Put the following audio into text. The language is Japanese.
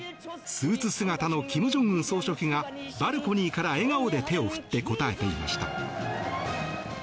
スーツ姿の金正恩総書記がバルコニーから笑顔で手を振って応えていました。